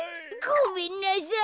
ごめんなさい。